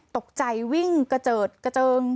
ตกใจวิ่งกระเจิดกระเจิง